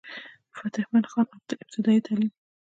فتح مند خان ابتدائي تعليم